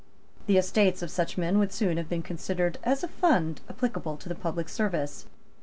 The estates of such men would soon have been considered as a fund applicable to the public service.